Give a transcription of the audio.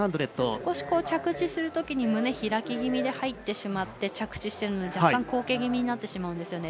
少し着地するときに胸、開き気味に入ってしまって着地してるので若干、後傾気味になってしまうんです。